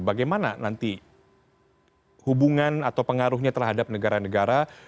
bagaimana nanti hubungan atau pengaruhnya terhadap negara negara